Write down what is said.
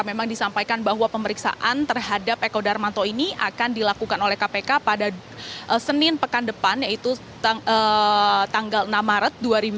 memang disampaikan bahwa pemeriksaan terhadap eko darmanto ini akan dilakukan oleh kpk pada senin pekan depan yaitu tanggal enam maret dua ribu dua puluh